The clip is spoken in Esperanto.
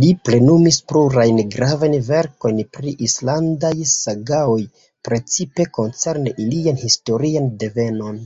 Li plenumis plurajn gravajn verkojn pri islandaj sagaoj, precipe koncerne ilian historian devenon.